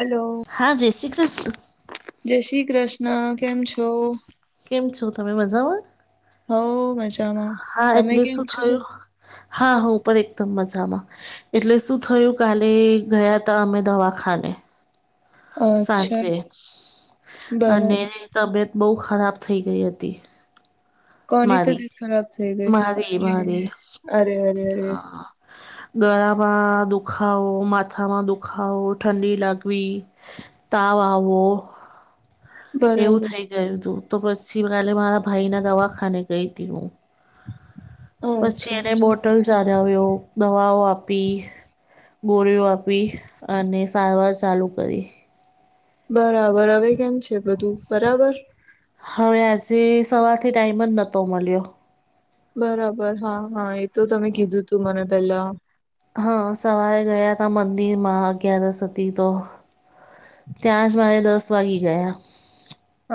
Hello હા, જય શ્રી કૃષ્ણ. જય શ્રી કૃષ્ણ. કેમ છો? કેમ છો? તમે મજામા? હઉ મજા હા એટલે શું થયું હા હું પણ એકદમ મજામાં એટલે શું થયું કાલે ગયા તા અમે દવાખાને અચ્છા સાંજે અને બરાબર તબિયત બહુ ખરાબ થઈ ગઈ હતી કોની મારી. તબિયત ખરાબ થઈ મારી મારી ગઈ અરે અરે ગળામાં દુખાવો માથામાં દુખાવો ઠંડી લાગવી તાવા આવવો એવું બરાબર થઇ ગયું તું તો પછી કાલે મારા ભાઈ ના દવાખાને ગઈ હતી હું પછી અચ્છા એને અચ્છા બોટલ ચઢાવ્યો દવાઓ આપી ગોળીઓ આપી અને સારવાર ચાલુ કરી બરાબર હવે કેમ છે બધું બરાબર હવે આજે સવારથી ટાઈમ જ નહતો મળ્યો બરાબર હા હા એ તો તમે કીધું તું મને પેલા હા સવારે ગયા હતા મંદિર માં અગિયારસ હતી તો ત્યાં જ મારે દસ વાગી ગયા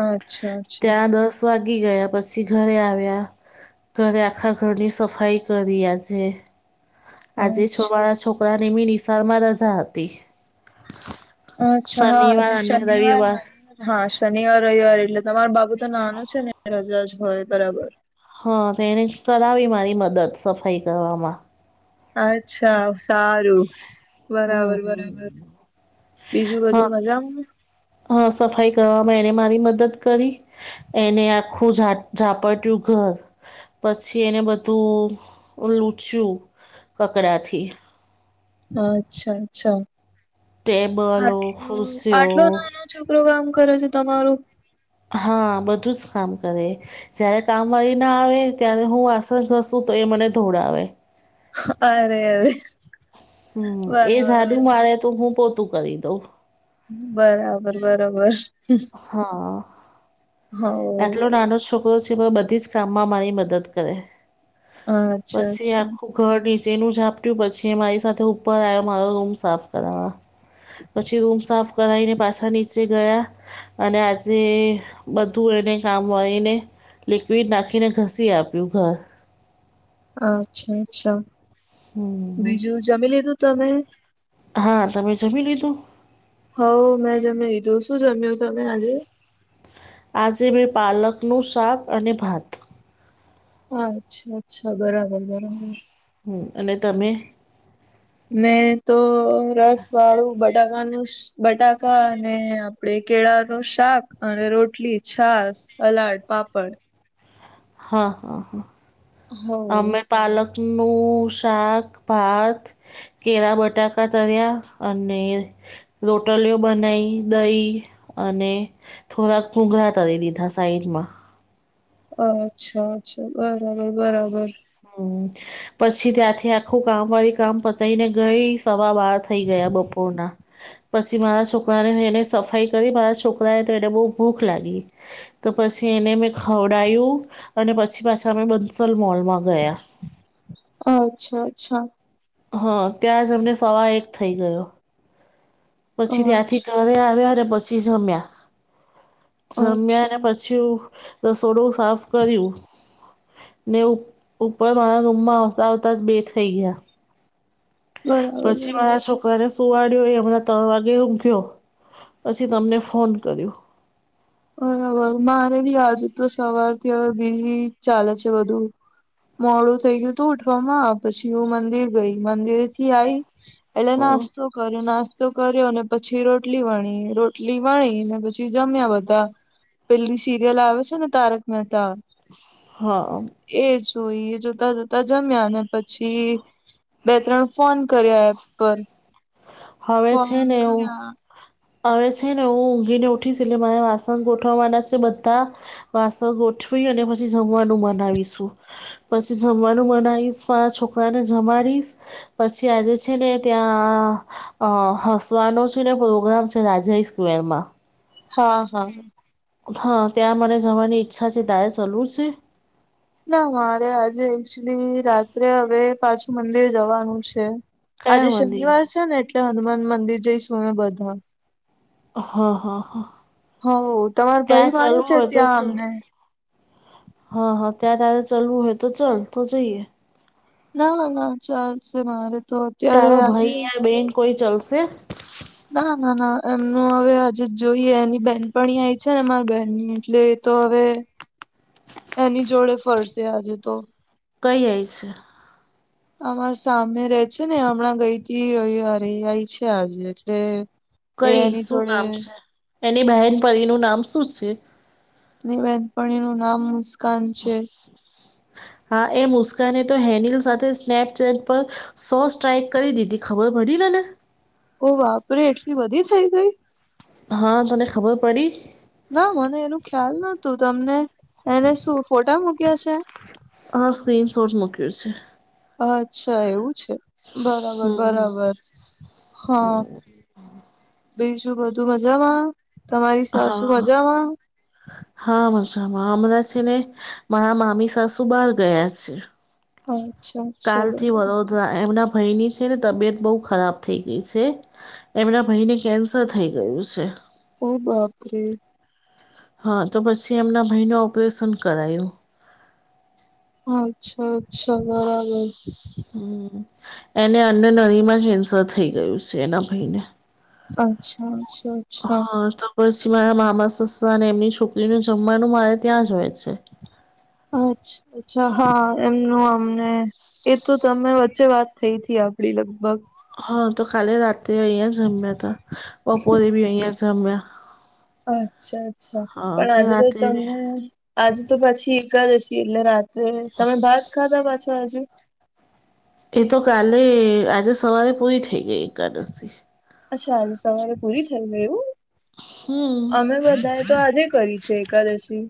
અચ્છા અચ્છા ત્યાં દસ વાગી ગયા પછી ઘરે આવ્યા ઘરે આખા ઘરની સફાઈ કરી આજે આજે છો અચ્છા મારા છોકરાને મી નિશાળમાં રજા હતી અચ્છા હા આજ શનિવાર અને શનિવાર રવિવાર હા શનિવાર રવિવાર એટલે તમાર બાપુ તો નાનો છે ને રજજ હોય બરાબર હા તેને કરાવી મારી મદદ સફાઈ કરવામાં અચ્છા સારું બરાબર બરાબર બીજું બધું મજા હા સફાઈ કરવામાં એને મારી મદદ કરી એને આખું ઝાપડટયું ઘર પછી એને બધું લૂચ્યું કકડાથી હા અચ્છા અચ્છા ટેબલો ખુરશીઓ આટલો નાનો પ્રોગ્રામ કરે છે તમારું હા બધું જ કામ કરે જય્યારે કામવાળ ના આવે ત્યારે હું આસસ કરસું તો એ મને ધોડાવે અરે અરે હમ એ બરાબર સાઝડું મારે્યા તું હું પો તું કરી દઉં. બરાબર બરાબર હા હ આટલો નાનો છોકરો છે બધી જ કામમાં મારી મદદ કરે અચ્છા બસ આ અચ્છા ખુબ ઘર નીચેનુંું ઝાપટ્યું પછી મારી સાથે ઉપર આવ્યો મારો રૂમ સાફ કરવાવા પછી રૂમ સાફ કરાવીને પાછા નીચે ગયા અને આજે બધ બધું એને કામ વાીને લિક્વિડ નાખીને ઘસી આપ્યું ઘર અચ્છા અચ્છા બીજું જમી લીધું તમે હા તમે જમી લીધું હ મેં જમે લીધો શું જમ્યો તમે આજે આજે મેં પાલકનું શાક અને ભાત અચ્છા અચ્છા બરાબર બરાબર હમ અને તમે મેં તો રસ વાળું બટાકાનું બટાકા અને આપડે કેળા નું શાક અને રોટલી છાસ સલાડ પાપડ હા હા હા હો આમે પાલકનું શાક ભાત કેળા બટાકા તર્યા અને રોટલીઓ બનાઈ દહી અને થોડાક પુંઘળા તરી દીધા સાઈડમાં અચ્છા અચ્છા બરાબર બરાબર હમ પછી ત્યાંથી આખું કામ વાળી કામ પતાય ને ગઈ સવા બાર થઈ ગયા બપોરના પછી મારા છોકરાને એને સફાઈ કરી મારા છોકરા એ તો એને બહુ ભૂખ લાગી તો પછી એને મેં ખવડાયું અને પછી પાછા અમે બંસલ મોલમાં ગયા અચ્છા અચ્છા હા ત્યાં જ અમને સવા એક થઇ ગયો પછી અચ્છા ત્યાંથી ઘરે આવ્યા અને પછી જમ્યા જમ્યા અને અચ્છા પછી રસોડું સાફ કર્યું ને ઉપ ઉપર મારા રૂમમાં આવતાં આવતા જ બે થઈ ગયા બરાબર પછી બરાબર મારા છોકરાને સુવાડ્યુંય હમણાં ત્રણ વાગે હૂ ગયો પછી તમને ફોન કર્યો બરાબર મારે બી આજે તો સવારથી હવે બીઝ ચાલે છે બધું મોડું થઈ ગયું હતું ઉઠવામાં પછી હું મંદિર ગઈ મંદિર થી આઈ એટલે અ, નાસ્તો કર્યો નાસ્તો કર્યો અને પછી રોટલી વણી રોટલી વણી ને પછી જમ્યા બા પેલી સિરિયલ આવે છે ને તારક મહેતા હા એ જોઈ જોતા જોતા જમ્યા ને પછી બે ત્રણ ફોન કર્યો એપ પર હવે ફોન છે ને એવું કર્યા આવે છે ને હું ઊંઘીને ઊઠીશ એટલે મારે વાસણ ગોઠવવાના છે બધા વાસણ ગોઠવી અને પછી જમવાનું મનાવીશું પછી જમવાનું બનાવીશ પા છોકરા ને જમાડીશ પછી આજે છે ને ત્યાં અ હસવાનો છે ને પ્રોગ્રામ છે રાજા સ્ક્વેર માં હા હા હા ત્યાં મને જવાની ઈચ્છા છે તારે ચાલવુ છે ના મારે આજે એકચુલી રાત્રે હવે પાછું મંદિર જવાનું છે આજે કયા મંદિર શનિવાર છે ને એટલે હનુમાન મંદિર જઈશું અમે બધા હા હા હા હ તમારો ત્યાં ભાઈ વાણી ચલવું છે હોય તો ત્યાં ચલ આમને હા હા ત્યાં તારા ચલવું હોય તો ચાલ તો જઈએ ના ના ચાલશે મારે તો અત્યારે તારો ભાઈ આજે યા બેન કોઈ ચલશે ના ના ના એમનું હવે આજે જોઈએ એની બેહેન પણં આવી છે ને અમારી બેહેનની એટલે તો હવે એની જોડે ફરશે આજે તો કઈ આયશે આમાં સામે રે છે ને હમણાં ગઈ થી ર રહી આઈ છે આજે એટલે એ કઈ એની શું જોડે નામ છે એની બહેન પરી નું નામ શું છે વનપણી નું નામ મુસ્કાન છે હા એ મુસ્કાને તો હેનિલ સાથે સ્નેપચેટ પર સો સ્ટ્રાાઈક કરી દીધી ખબર પડી ત ને ઓ વાપરે એટલી બધી થઇ ગઈ હા તને ખબર પડી ના મને એનું ખ્યાલ નતું તમને એને શું ફોટા મૂક્યા છે હ સ્ક્રીન શોટસ મુકી છેે અચ્છા એવું છે બરાબર બરાબર હા બી જુ બધું મજામાં તમારી સાસુ હા મજામાં હા મજામાં હમણાં છે ને મારા મામી સાસુ બહાર ગયા છે અચ્છા કાલથી અચ્છા વડોદરા એમના ભાઈની છે ને તબિયત બહુ ખરાબ થઈ ગઈ છે એમના ભાઈ ને કેન્સર થઈ ગયું છે ઓ બાપરે હા તો પછી એમના ભાઈને ઓપરેશન કરાયું અચ્છા અચ્છા બરાબર એને અન્ન નદીમાં કેન્સર થઈ ગયું છે એના ભાઈને અચ્છા અચ્છા અચ્છા હા તો પછી મારા મામા સસરા અને એમની છોકરીને જમવાનું મારે ત્યાં જ હોય છે અ અચ્છા હા એમનું અમને એ તો તમે વચ્ચે વાત થઈ હતી આપડી લગભગ હા તો ખાલી રાતે અહીયા જમ્યા હતા બપોરે ભી અહીયા જમ્યા અચ્છા અચ્છા હા પણ અને આજે તો રાત્રે બી તમને આજે તો પછી એકાદશી એટલે રાત તમે ભાત ખાધા પાછો આજે એ તો કાલે આજે સવારે પૂરી થઈ ગઈ એકાદશી અચ્છા આજે સવારે પૂરી થઈ હોય એવું હમ. અમે બધાએ તો આજે કરી છે એકાદશી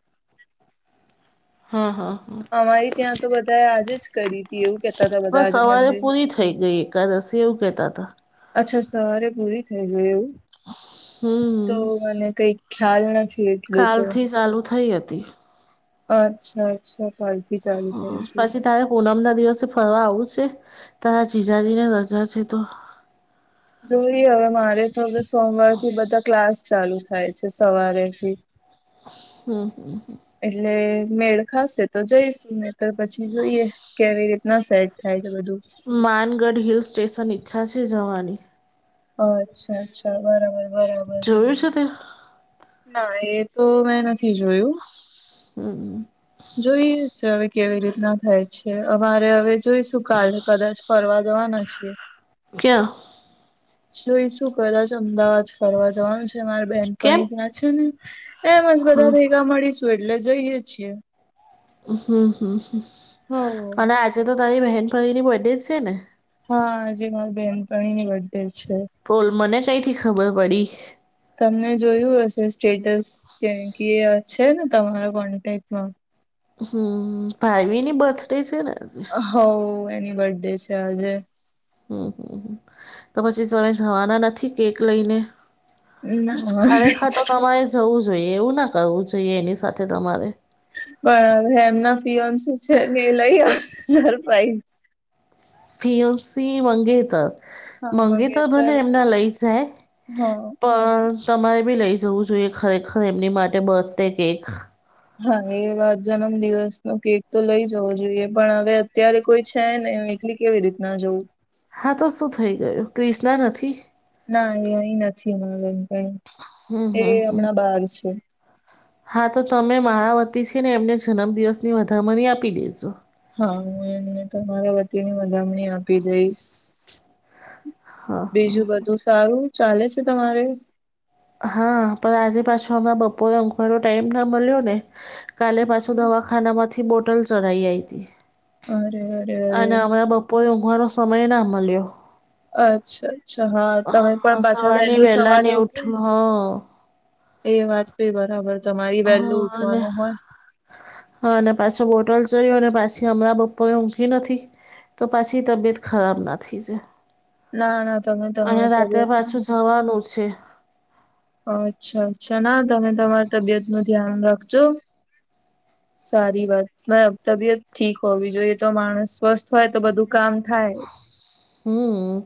હા હા. હા. અમારી ત્યાં તો બધાએ આજેજ કરી હતી એવું કેતા હતા બધા આજ આજે પૂરી થઈ ગઈ કાલે રસી એવું કેતા હતા અચ્છા સવારે પૂરી થઈ ગઈ એવું તો હમ. મને કઈક ખ્યાલ નથી. એટલું તો કાલથી ચાલુ થઈ હતી. અચ્છા અચ્છા કાલથી ચાલુ થઈ હતી પછી તારે પૂનમ ના દિવસે ફરવા આવું છે તારા જીજાજી ને રજા છે તો જોઈ હવે મારે તો હવે સોમવાર થી બધા ક્લાસ ચાલુ થાય છે સવારેથી હમ્મ હમ્મ. એટલે મેળ ખાશે તો જઈશું ને તો પછી જોઈએ કેવી રીતે ના સેટ થાય છે બધું માનગઢ હિલ સ્ટેશન ઈચ્છા છે જવાની અચ્છા અચ્છા બરાબર બરાબર જોયું છે તે ના એ તો મેં નથી જોયું હમ્મ હમ્મ જોઈએ છે હવે કેવી રીતના થાય છે અમારે હવે જોઈશું કાલે કદાચ ફરવા જવાના છીએ. ક્યાં? શું એ શું કરે છે અમદાવાદ ફરવા જવાનું છે. મારા બેન કેમ પણ ત્યાં છે ને એમ જ હમ બધા ભેગા મળીશું એટલે જઈએે છીએ. હમ્મ હમ્મ હ અને આજે તો તારી બહેન ભાઈની બર્ડે છે ને હા આજે મારી બેહેનપણી ની બર્ડે છે. બોલ મને કઈ થી ખબર પડી તમને જોયું હશે સ્ટેટસ કે કે છે ને તમારા કોન્ટેક્ટમાં હમ્મ ભાઈવીની બર્થડે છે ને આજ હઓ એની બડે છે આજે હમ્મ હમ્મ તો પછી તમે જવાના નથી કેક લઈને ના ખરેખર તો તમારે જવું જોઈએ એવું ના કરવું જોઈએ એની સાથે તમારે પણ હેમના ફિઓન શું છે ને એ લઈ આવશે સરપાઈઝ ફીયસી મંગેતર મંગેતર ભલે એમના લઈ જાય હા પણ તમારે બી લઈ જવું જોઈએ ખરેખર એમની માટે બર્થ ડે કેક હા એ જન્મ દિવસ નો કેક તો લઈ જવો જોઈએ પણ હવે અત્યારે કોઈ છે ને એકલી કેવી રીત ના જવું હા તો શું થઈ ગયું ક્રિષ્ણા નથી ના એ અહી નથી હમણાં હમ એ હમ હમ હમણાં બાર છે હા તો તમે મારા વતી છે ને એમને જન્મદિવસની વધામણી આપી દેજો હા હું એમને તમારા વતીની વધામણી આપી દઈશ. બીજું બધું સારું ચાલે છે તમારે હા પણ આજે પાછું હમણા બપોરે ઊંઘવાનો ટાઈમ ના મળ્યો ને કાલે પાછું દવાખાના માંથી બોટલ ચઢઈ આવી હતી અરે અરે અરે અને હમણાં બપો પોણ ઊંઘવાનો સમય ના મલયો અચ્છા અચ્છા હા તમે પણ પાછા સવારની વહેલું વહેલા સવારે ને ઉઠ ઉઠ્યું હા એ વાત પે બરાબર તમારી વહેલું ઉઠવાનું હોય હ અને પાછો બોટલ જય અને પાછી હમણાં બપોરે ઊંધી નથી તો પછી તબિયત ખરાબ ના થઈ જાય ના ના તમે અને તમારી રાત્રે તબિયત પાછું જવાનું છે. અચ્છા અચ્છા ના તમે તમારી તબિયતનું ધ્યાન રાખજો હ [inaudible] સારી વાત તબિયત ઠીક હોવી જોઈએ તો માણસ સ્વસ્થ હોય તો બધું કામ થાય હમ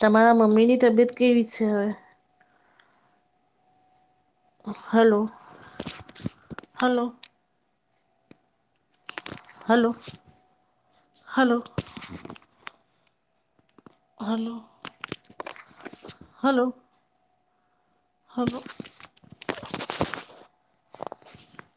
તમારા મમ્મીની તબિયત કેવી છે, હવે હાલો હાલો. હાલો હાલો. હાલો હાલો. હાલો. [inaudible]